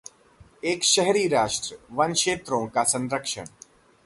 एक शहरी राष्ट्र | वन क्षेत्रों का संरक्षण